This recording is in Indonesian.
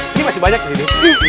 ini masih banyak disini